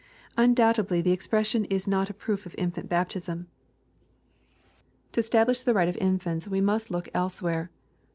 Undoubtedly the expression is not a proof of infant baptism To establish the right of infants we must look elsewhere, — ^ta no EXPOSITORY THOUGHTS.